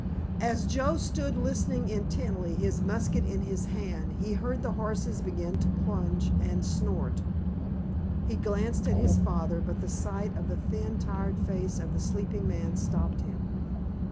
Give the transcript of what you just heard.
As Joe stood listening intently, his musket in his hand, he heard the horses begin to plunge and snort. He glanced at his father, but the sight of the thin, tired face of the sleeping man stopped him.